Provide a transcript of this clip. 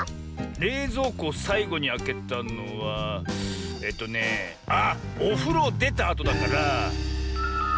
れいぞうこをさいごにあけたのはえっとねあっおふろをでたあとだから。